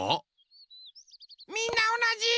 みんなおなじ！